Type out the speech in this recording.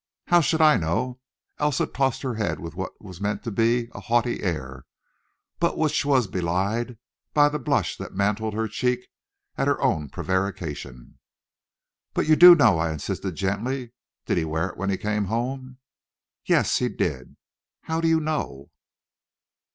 "How should I know?" Elsa tossed her head with what was meant to be a haughty air, but which was belied by the blush that mantled her cheek at her own prevarication. "But you do know," I insisted, gently; "did he wear it when he came home?" "Yes, he did." "How do you know?"